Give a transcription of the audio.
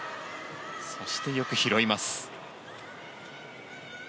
そしてよく拾います。